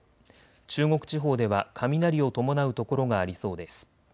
中国地方では雷を伴う所がありそうです。